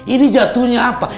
ini jatuhnya apa